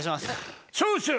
長州。